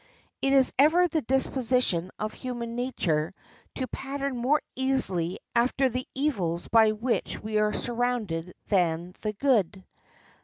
It is ever the disposition of human nature to pattern more easily after the evils by which we are surrounded than the good.